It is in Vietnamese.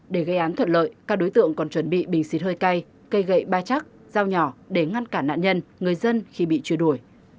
để gây án thuận lợi các đối tượng còn chuẩn bị bình xịt hơi cay cây gậy ba chắc dao nhỏ để ngăn cản nạn nhân người dân khi bị truy đuổi